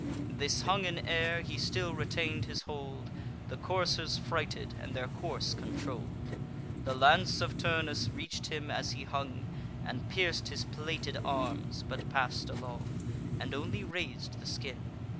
Thus hung in air, he still retain'd his hold, The coursers frighted, and their course controll'd. The lance of Turnus reach'd him as he hung, And pierc'd his plated arms, but pass'd along, And only raz'd the skin.